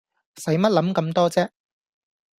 洗乜諗咁多啫